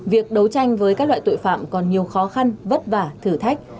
việc đấu tranh với các loại tội phạm còn nhiều khó khăn vất vả thử thách